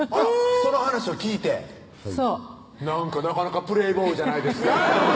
その話を聞いてそうなかなかプレーボーイじゃないですか？